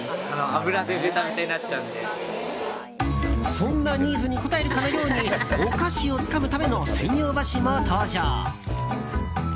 そんなニーズに応えるかのようにお菓子をつかむための専用箸も登場。